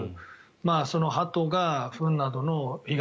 そのハトがフンなどの被害